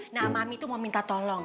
nah mami itu mau minta tolong